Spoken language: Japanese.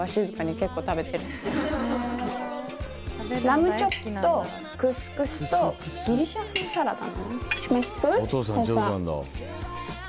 ラムチョップとクスクスとギリシャ風サラダ。